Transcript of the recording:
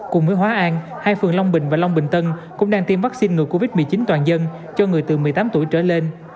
cùng với hóa an hai phường long bình và long bình tân cũng đang tiêm vaccine ngừa covid một mươi chín toàn dân cho người từ một mươi tám tuổi trở lên